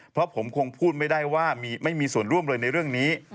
เพราะผมคงพูดไม่ได้ว่าไม่มีส่วนร่วมเลยในเรื่องนี้